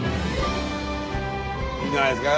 いいんじゃないですか